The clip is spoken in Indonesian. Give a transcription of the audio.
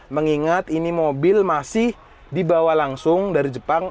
mengingat ini mobil masih dibawa langsung dari jepang